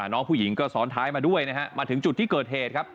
น้องผู้หญิงก็ซ้อนท้ายมาด้วยนะฮะมาถึงจุดที่เกิดเหตุครับ